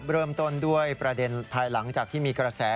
เริ่มต้นด้วยประเด็นภายหลังจากที่มีกระแส